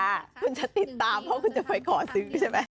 คุณจะติดตามเพราะคุณจะไปขอซื้อใช่ไหม